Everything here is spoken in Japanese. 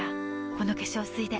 この化粧水で